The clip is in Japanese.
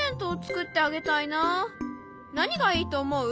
何がいいと思う？